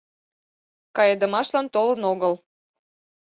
Кайыдымашлан толын огыл.